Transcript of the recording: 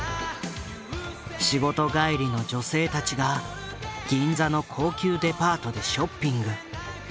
仕事帰りの女性たちが銀座の高級デパートでショッピング。